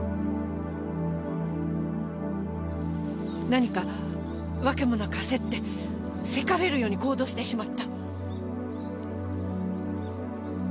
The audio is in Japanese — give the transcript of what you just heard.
何かわけもなく焦って急かれるように行動してしまった！